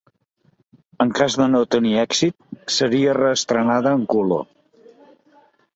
En cas de no tenir èxit, seria reestrenada en color.